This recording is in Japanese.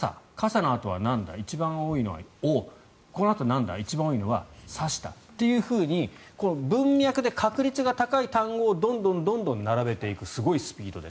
このあと多いのはなんだ？一番多いのは「差した」というふうに文脈で確率が高い単語をどんどん並べていくすごいスピードで。